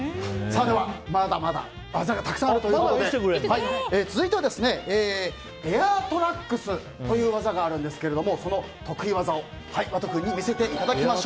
では、まだまだ技がたくさんあるということで続いては、エアートラックスという技があるんですがその得意技をＷＡＴＯ君に見せていただきます。